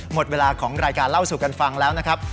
หมดเวลาของรายการเล่าสู่กันฟังแล้วนะครับ